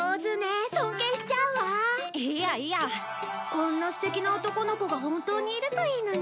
こんな素敵な男の子が本当にいるといいのに。